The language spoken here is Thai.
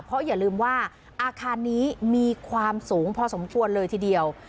เพราะอย่าลืมว่าอาคารนี้มีความสูงพอสมควรเลยทีเดียว